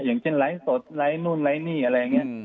อย่างเช่นไลฟ์สดไลค์นู่นไลค์นี่อะไรอย่างนี้